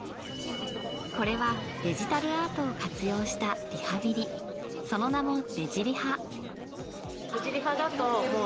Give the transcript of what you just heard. これはデジタルアートを活用したリハビリその名もデジリハ。